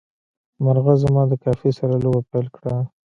مرغه زما د کافي سره لوبه پیل کړه.